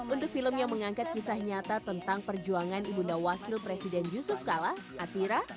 untuk film yang mengangkat kisah nyata tentang perjuangan ibunda wakil presiden yusuf kala atira